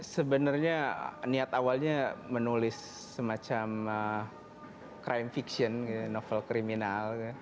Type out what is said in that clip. sebenarnya niat awalnya menulis semacam crime fiction novel kriminal